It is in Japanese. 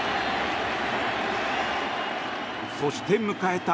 そして、迎えた